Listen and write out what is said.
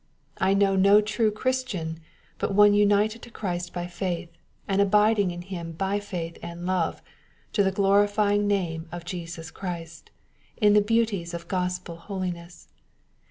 I know no true Christian, but one united to Christ by faith, and abiding in Him by faith and love, to the glorifying of the name of Jesus Christ, in the beauties of gospel holiness.